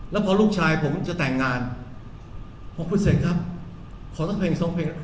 แล้วพอลูกชายผมจะแต่งงานพอคุณเสร็จครับขอสักเพลงอีกสองเพลง